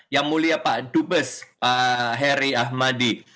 yang mulia pak dubes pak heri ahmadi